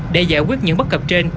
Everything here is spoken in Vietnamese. để giải quyết những bất cập trên